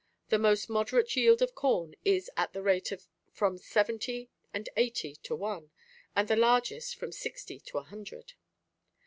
The most moderate yield of corn is at the rate of from seventy and eighty to one, and the largest from sixty to a hundred."